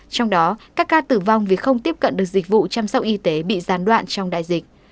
trong đó các ca tử vong vì không tiếp cận được dịch vụ chăm sóc y tế bị gián đoạn trong đại dịch